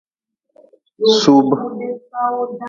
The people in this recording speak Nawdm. Suub.